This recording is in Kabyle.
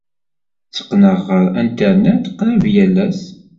Tteqqneɣ ɣer Internet qrib yal ass.